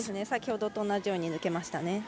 先ほどと同じように抜けました。